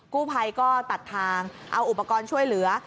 กู้ภัยก็ตัดทางเอาอุปกรณ์ช่วยเหลือ